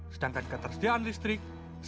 sedangkan ketersediaan listrik